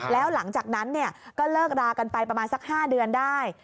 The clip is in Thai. แล้วหลังจากนั้นก็เลิกรากันไปประมาณสัก๕เดือนได้